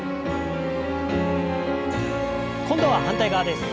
今度は反対側です。